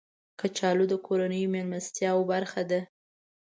کچالو د کورنیو میلمستیاو برخه ده